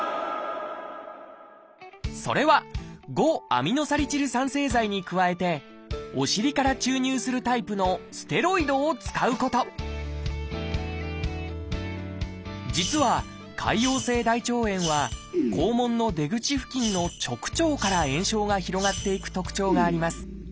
それは「５−アミノサリチル酸製剤」に加えてお尻から注入するタイプのステロイドを使うこと実は潰瘍性大腸炎は肛門の出口付近の直腸から炎症が広がっていく特徴があります。